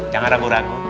jangan ragu ragu